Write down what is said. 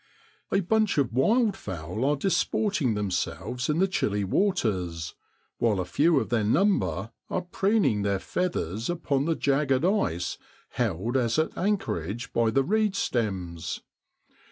A bunch of wildfowl are disporting themselves in the chilly waters, while a few of their number are preening their feathers upon the jagged ice held as at anchorage by the reed stems.